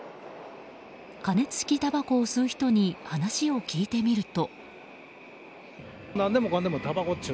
加熱式たばこを吸う人に話を聞いてみると。